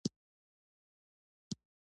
پاکوالی د ایمان یوه برخه ده.